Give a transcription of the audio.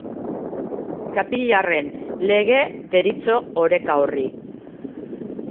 Kapilarren lege deritzo oreka horri.